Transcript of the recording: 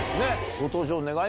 ご登場願い